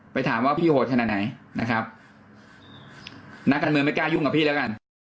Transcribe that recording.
ไปถามว่าพี่โหดขนาดไหนนะครับนักการเมืองไม่กล้ายุ่งกับพี่แล้วกัน